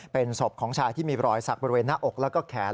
เป็นศพของชายที่มีรอยสักบริเวณหน้าอกแล้วก็แขน